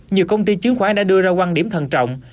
nhiều công ty chiến khóa đã đưa ra quan điểm thần trọng